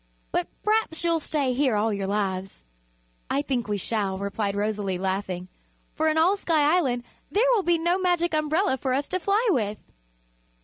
But p'raps you'll stay here all your lives." "I think we shall," replied Rosalie, laughing, "for in all Sky Island there will be no Magic Umbrella for us to fly with."